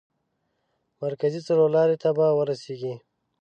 مرکزي څلور لارې ته به ورسېږئ.